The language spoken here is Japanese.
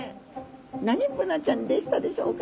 何ブナちゃんでしたでしょうかね？